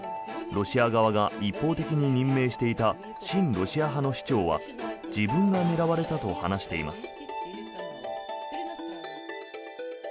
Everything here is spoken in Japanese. ロシア側が一方的に任命していた親ロシア派の市長は自分が狙われたと話しています。